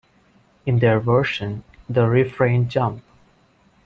In their version, the refrain Jump!